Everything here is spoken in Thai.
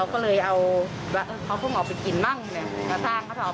คนกลับบ้านคนไปคนมามันก็ลำบากนะ